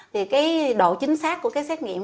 thì cái độ chính xác của cái xét nghiệm